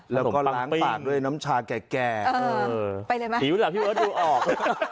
แล้วก็ล้างปากด้วยน้ำชาแก่ไปเลยไหมหิวแหละพี่เบิร์ตดูออก